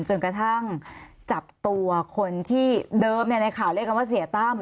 จนกระทั่งจับตัวคนที่เดิมในข่าวเรียกกันว่าเสียตั้ม